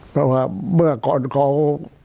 เพราะว่าเมื่อก่อนเขา